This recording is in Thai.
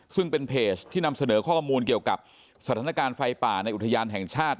ซึ่งเป็นเพจที่นำเสนอข้อมูลเกี่ยวกับสถานการณ์ไฟป่าในอุทยานแห่งชาติ